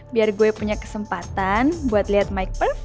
biar gue punya kesempatan buat liat mike perform